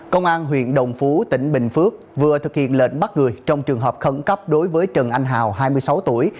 công an huyện đồng phú tỉnh bình phước vừa thực hiện lệnh bắt người trong trường hợp khẩn cấp đối với trần anh hào hai mươi sáu tuổi